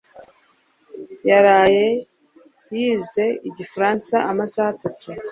yaraye yize igifaransa amasaha atatu